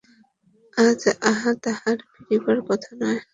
আজ তাহার ফিরিবার কথা নয়।